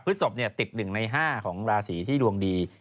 ศพติด๑ใน๕ของราศีที่ดวงดี